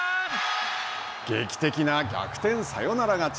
劇的な逆転サヨナラ勝ち。